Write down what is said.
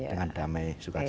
dengan damai suka cita